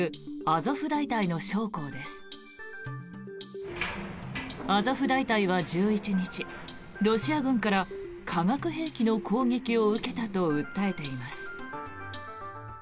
アゾフ大隊は１１日ロシア軍から化学兵器の攻撃を受けたと訴えています。